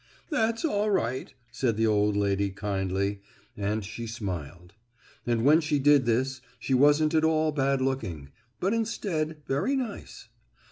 "That's all right," said the old lady kindly, and she smiled. And when she did this she wasn't at all bad looking, but instead, very nice.